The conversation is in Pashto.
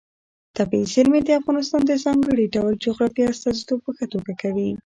طبیعي زیرمې د افغانستان د ځانګړي ډول جغرافیې استازیتوب په ښه توګه کوي.